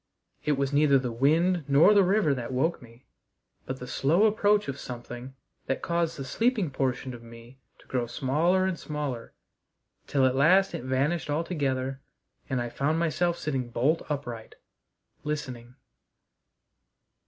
It was neither the wind nor the river that woke me, but the slow approach of something that caused the sleeping portion of me to grow smaller and smaller till at last it vanished altogether, and I found myself sitting bolt upright listening.